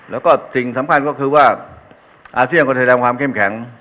แล้วก็สิ่งสำคัญก็คือว่าอาเซียนก็แสดงความเข้มแข็ง